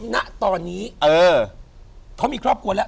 ณตอนนี้เขามีครอบครัวแล้ว